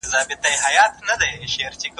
زکات د شتمنۍ د سم وېش تر ټولو غوره سیسټم دی.